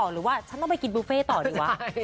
หรือว่าฉันต้องไปกินบุฟเฟ่ต่อดีกว่า